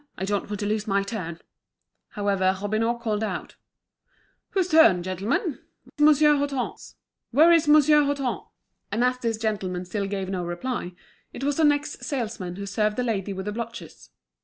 I don't want to lose my turn!" However, Robineau called out: "Whose turn, gentlemen? Monsieur Hutin's? Where's Monsieur Hutin?" And as this gentleman still gave no reply, it was the next salesman who served the lady with the blotches.